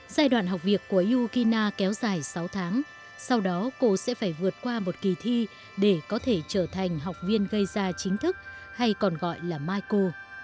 giai đoạn học việc của yukina kéo dài sáu tháng sau đó cô sẽ phải vượt qua một kỳ thi để có thể trở thành học viên gây ra chính thức hay còn gọi là miko